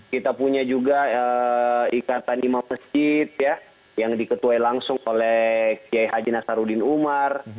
kita punya juga ikatan imam masjid ya yang diketuai langsung oleh kiai haji nasaruddin umar